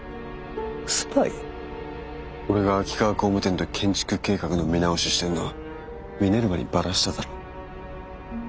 俺が秋川工務店と建築計画の見直ししてんのミネルヴァにバラしただろ？